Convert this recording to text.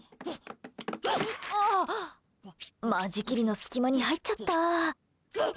あ、間仕切りの隙間に入っちゃった。